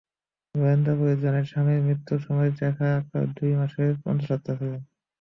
গোয়েন্দা পুলিশ জানায়, স্বামীর মৃত্যুর সময় রেখা আক্তার দুই মাসের অন্তঃসত্ত্বা ছিলেন।